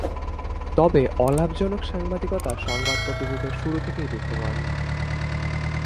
তবে অলাভজনক সাংবাদিকতা সংবাদপত্র যুগের শুরু থেকে বিদ্যমান।